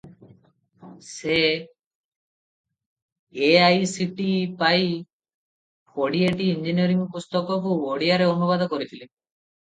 ସେ ଏଆଇସିଟିଇ ପାଇଁ କୋଡ଼ିଏଟି ଇଞ୍ଜିନିୟରିଂ ପୁସ୍ତକକୁ ଓଡ଼ିଆରେ ଅନୁବାଦ କରିଥିଲେ ।